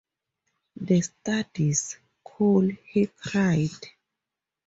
"The studies, Cole," he cried.